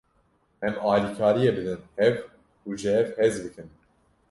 Em alîkariyê bidin hev û ji hev hez bikin.